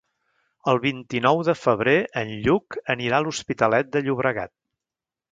El vint-i-nou de febrer en Lluc anirà a l'Hospitalet de Llobregat.